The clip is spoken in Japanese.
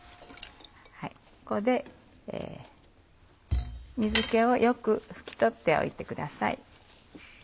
ここで水気をよく拭き取っておいてください。